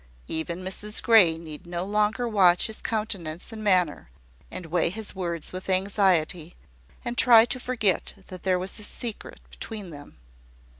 Even Mrs Grey need no longer watch his countenance and manner, and weigh his words with anxiety, and try to forget that there was a secret between them.